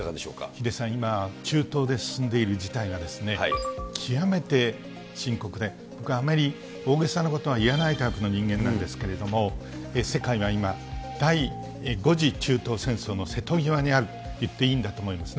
ヒデさん、今、中東で進んでいる事態が、極めて深刻で、僕はあまり大げさなことは言えないタイプの人間なんですけれども、世界は今、第５次中東戦争の瀬戸際にあるといっていいんだと思いますね。